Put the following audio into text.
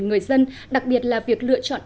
người dân đặc biệt là việc lựa chọn